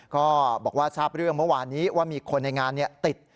ก็บอกว่าทราบเรื่องเมื่อวานนี้ว่ามีคนในงานติด